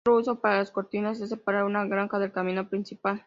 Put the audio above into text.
Otro uso para las cortinas es separar una granja del camino principal.